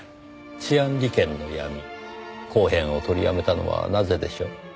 「治安利権の闇後編」を取りやめたのはなぜでしょう？